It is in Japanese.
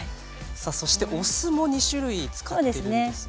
さあそしてお酢も２種類使ってるんですね。